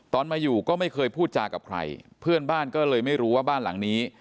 มาอยู่ก็ไม่เคยพูดจากับใครเพื่อนบ้านก็เลยไม่รู้ว่าบ้านหลังนี้